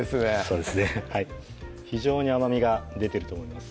そうですねはい非常に甘みが出てると思います